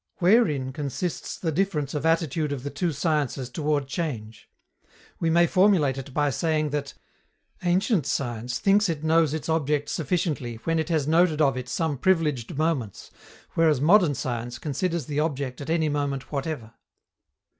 Wherein consists the difference of attitude of the two sciences toward change? We may formulate it by saying that _ancient science thinks it knows its object sufficiently when it has noted of it some privileged moments, whereas modern science considers the object at any moment whatever_.